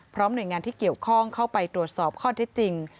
หน่วยงานที่เกี่ยวข้องเข้าไปตรวจสอบข้อที่จริง